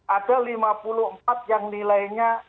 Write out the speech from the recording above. ada lima puluh empat yang nilainya